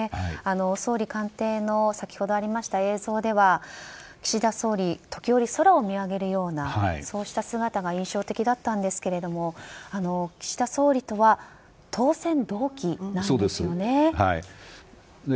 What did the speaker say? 総理官邸の先ほどありました映像では岸田総理、時折空を見上げるようなそうした姿が印象的だったんですが岸田総理とは当選同期なんですよね。